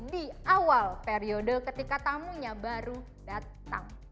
di awal periode ketika tamunya baru datang